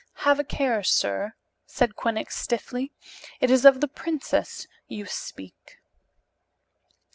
"Have a care, sir," said Quinnox stiffly. "It is of the princess you speak."